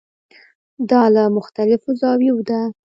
دا له مختلفو زاویو ده.